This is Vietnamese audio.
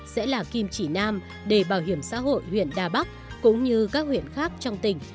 sẽ là kim chỉ nam để bảo hiểm xã hội huyện đà bắc cũng như các huyện khác trong tỉnh